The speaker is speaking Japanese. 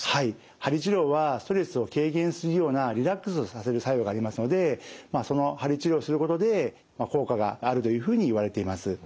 鍼治療はストレスを軽減するようなリラックスをさせる作用がありますのでその鍼治療をすることで効果があるというふうにいわれています。